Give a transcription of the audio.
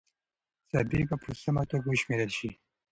څپې به په سمه توګه وشمېرل سي.